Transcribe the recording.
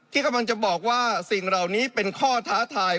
ที่กำลังจะบอกว่าสิ่งเหล่านี้เป็นข้อท้าทาย